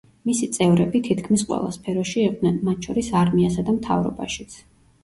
მისი წევრები თითქმის ყველა სფეროში იყვნენ, მათ შორის არმიასა და მთავრობაშიც.